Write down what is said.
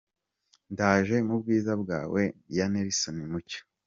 Ndaje mu bwiza bwawe" ya Nelson Mucyo.